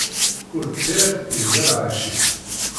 Kull ṭṭir ibna lεecc-is.